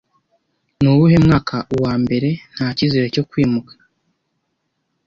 Nuwuhe mwaka uwambere nta cyizere cyo kwimuka